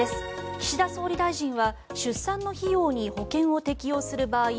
岸田総理大臣は出産の費用に保険を適用する場合